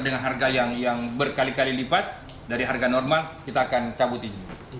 dengan harga yang berkali kali lipat dari harga normal kita akan cabut izin